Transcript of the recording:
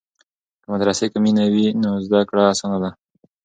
که مدرسې کې مینه وي نو زده کړه اسانه ده.